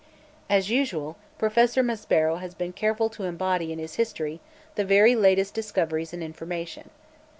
As usual, Professor Maspero has been careful to embody in his history the very latest discoveries and information.